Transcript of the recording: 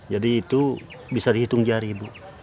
jadi itu bisa dihitung jari ibu